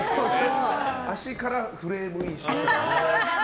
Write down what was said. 足からフレームインして。